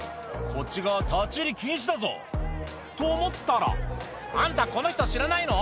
こっち側立ち入り禁止だぞ」と思ったら「あんたこの人知らないの？